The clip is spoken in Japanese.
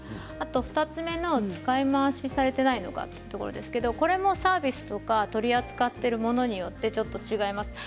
２つ目の使い回しされていないのかというところですがこれもサービスや取り扱っている物によってちょっと違います。